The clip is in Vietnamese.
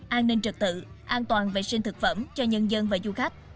an ninh trực tự an toàn vệ sinh thực phẩm cho nhân dân và du khách